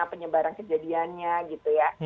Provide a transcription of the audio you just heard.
penyebaran kejadiannya gitu ya